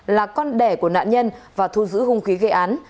là con đẻ của nạn nhân và thu giữ hung khí gây án